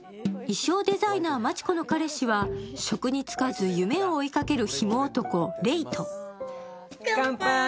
衣装デザイナー、真智子の彼氏は職にも就かず夢を追いかけるひも男・怜人。